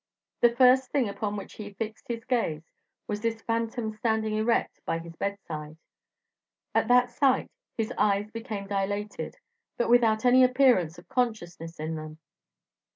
The first thing upon which he fixed his gaze was this phantom standing erect by his bedside. At that sight, his eyes became dilated, but without any appearance of consciousness in them.